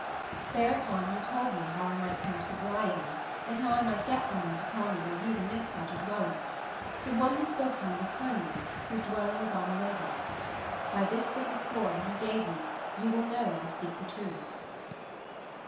"Thereupon he told me how I might come to the Graiai, and how I might get them to tell me where you, the nymphs, had your dwelling. The one who spoke to me was Hermes, whose dwelling is on Olympus. By this sickle sword that he gave me you will know that I speak the truth."